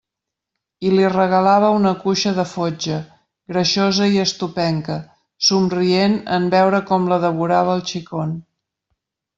I li regalava una cuixa de fotja, greixosa i estopenca, somrient en veure com la devorava el xicon.